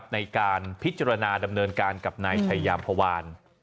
ในการพิจารณาดำเนินการกับนายชายามพวาน